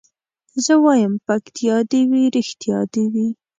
زه وايم پکتيا دي وي رښتيا دي وي